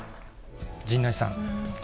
陣内さん。